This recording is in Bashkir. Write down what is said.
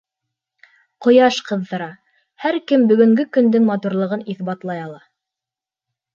Ҡояш ҡыҙҙыра! һәр кем бөгөнгө көндөң матурлығын иҫбатлай ала!